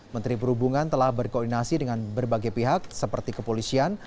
menteri perhubungan telah berkoordinasi dengan berbagai pihak seperti kepolisian